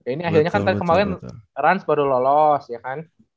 ini akhirnya kan tadi kemarin rans baru lolos ya kan